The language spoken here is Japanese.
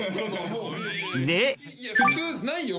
で普通ないよ